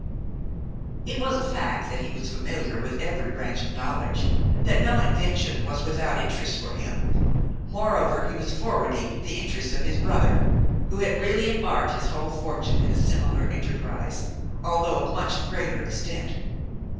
It was a fact that he was familiar with every branch of knowledge, that no invention was without interest for him; moreover he was forwarding the interests of his brother, who had really embarked his whole fortune in a similar enterprise, although of much greater extent.